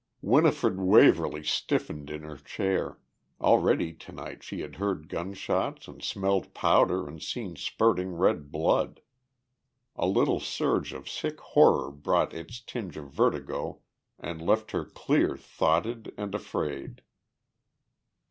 Winifred Waverly stiffened in her chair; already tonight had she heard gunshots and smelled powder and seen spurting red blood. A little surge of sick horror brought its tinge of vertigo and left her clear thoughted and afraid.